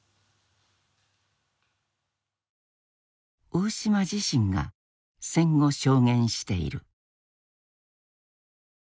大島自身が戦後証言している。